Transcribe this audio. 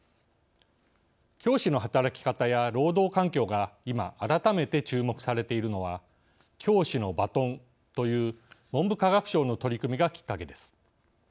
教師の働き方や労働環境が今改めて注目されているのは♯教師のバトンという文部科学省の取り組みがきっかけです。